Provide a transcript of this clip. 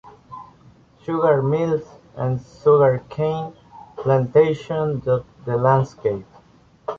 Sugar mills and sugarcane plantations dot the landscape.